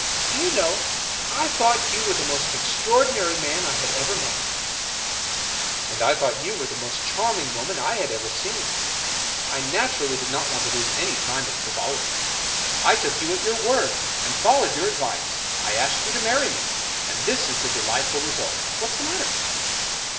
" Do you know, I thought you were the most extraordinary man I had ever met." " I thought you were the most charming woman I had ever seen. I naturally did not want to lose any time in 42 F. Marion Crazvford frivolities. I took you at your word, I followed your ad vice, I asked you to marry me, and this is the delightful result — what's the matter